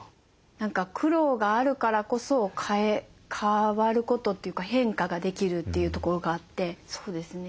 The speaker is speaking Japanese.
何か苦労があるからこそ変わることというか変化ができるというところがあってそうですね